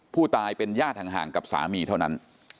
ผู้ตายเป็นญาติห่างกับสามีเท่านั้น